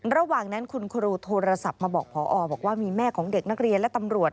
ระหว่างนั้นคุณครูโทรศัพท์มาบอกพอบอกว่ามีแม่ของเด็กนักเรียนและตำรวจ